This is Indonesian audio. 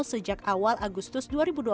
sejak awal agustus dua ribu dua puluh